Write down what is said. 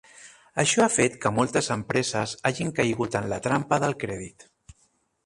Això ha fet que moltes empreses hagin caigut en la “trampa” del crèdit.